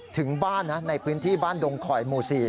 ถึงบ้านนะในพื้นที่บ้านดงคอยหมู่๔